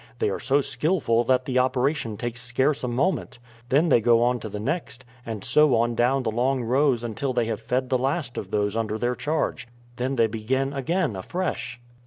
They are so skillful that the operation takes scarce a moment; then they go on to the next, and so on down the long rows until they have fed the last of those under their charge. Then they begin again afresh."